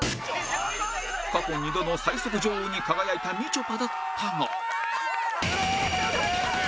過去２度の最速女王に輝いたみちょぱだったが